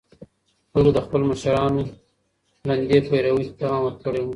خلګو د خپلو مشرانو ړندې پيروي ته دوام ورکړی و.